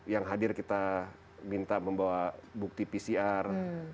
yang hadir kita minta membawa bukti pcr